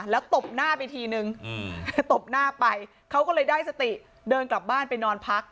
แล้วตบหน้าไปทีนึงตบหน้าไปเขาก็เลยได้สติเดินกลับบ้านไปนอนพัก